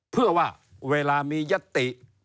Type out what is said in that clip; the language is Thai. เพื่อว่าเวลามียติ